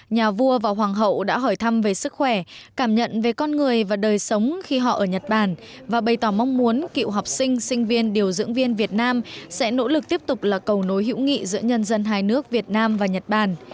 nhà vua và hoàng hậu đã hỏi thăm về sức khỏe cảm nhận về con người và đời sống khi họ ở nhật bản và bày tỏ mong muốn cựu học sinh sinh viên điều dưỡng viên việt nam sẽ nỗ lực tiếp tục là cầu nối hữu nghị giữa nhân dân hai nước việt nam và nhật bản